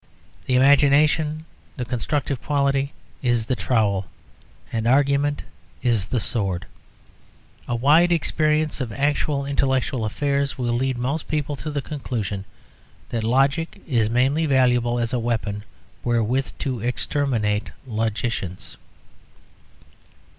The imagination, the constructive quality, is the trowel, and argument is the sword. A wide experience of actual intellectual affairs will lead most people to the conclusion that logic is mainly valuable as a weapon wherewith to exterminate logicians.